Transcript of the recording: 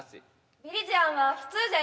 ビリジアンは普通じゃよ。